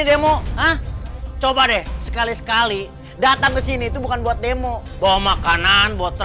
demo ah coba deh sekali sekali datang ke sini tuh bukan buat demo bawa makanan botram kuluk betul